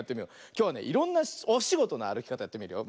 きょうはねいろんなおしごとのあるきかたやってみるよ。